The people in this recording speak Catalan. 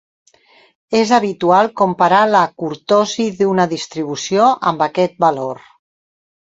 És habitual comparar la curtosi d'una distribució amb aquest valor.